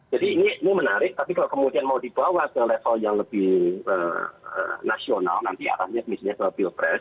jadi ini menarik tapi kalau kemudian mau dibawa ke level yang lebih nasional nanti akan diadakan misinya ke biopress